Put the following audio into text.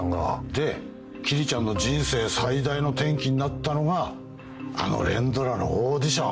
で桐ちゃんの人生最大の転機になったのがあの連ドラのオーディション。